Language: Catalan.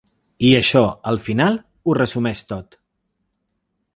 I això, al final, ho resumeix tot.